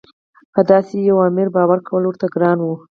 په داسې یوه امیر باور کول ورته ګران وو.